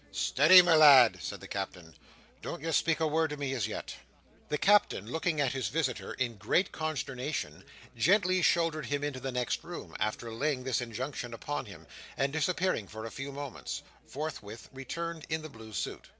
"Steady, my lad," said the Captain, "don't ye speak a word to me as yet!" The Captain, looking at his visitor in great consternation, gently shouldered him into the next room, after laying this injunction upon him; and disappearing for a few moments, forthwith returned in the blue suit.